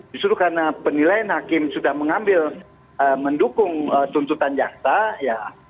justru karena penilaian hakim sudah mengambil mendukung tuntutan jaksa ya